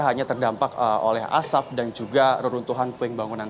mereka hanya terdampak oleh asap dan juga reruntuhan pengbangunan